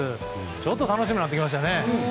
ちょっと楽しみになってきましたね。